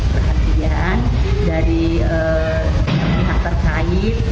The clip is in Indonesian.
perhatian dari yang terkait